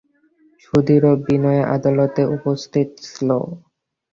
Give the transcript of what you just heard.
সুধীর ও বিনয় আদালতে উপস্থিত ছিল।